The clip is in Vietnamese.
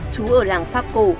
chú ở làng pháp cổ